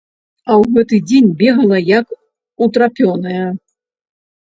А ў гэты дзень бегала як утрапёная.